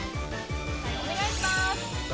お願いします